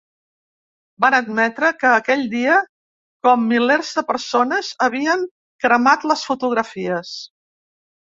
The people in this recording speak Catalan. Van admetre que aquell dia, ‘com milers de persones’, havien cremat les fotografies.